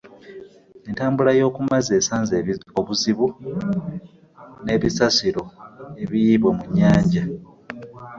Entambula y'okumazzi esanze obuzibu n'ebisasiro ebiyiibwa mu nnyanja